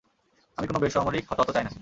আমি কোন বেসামরিক হতাহত চাই না।